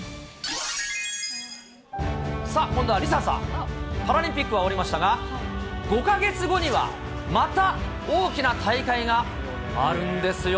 さあ、今度は梨紗さん、パラリンピックは終わりましたが、５か月後には、また大きな大会があるんですよ。